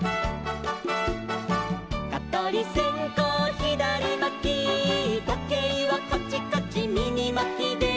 「かとりせんこうひだりまき」「とけいはカチカチみぎまきで」